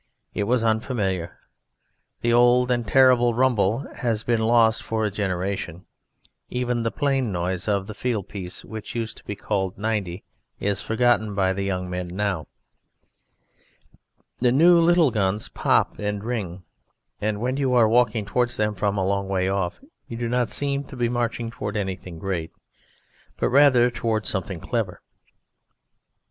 It was unfamiliar. The old and terrible rumble has been lost for a generation; even the plain noise of the field piece which used to be called "90" is forgotten by the young men now. The new little guns pop and ring. And when you are walking towards them from a long way off you do not seem to be marching towards anything great, but rather towards something clever.